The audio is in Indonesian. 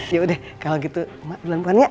yaudah kalau gitu emak duluan pulang aja ya